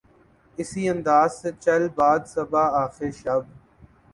اسی انداز سے چل باد صبا آخر شب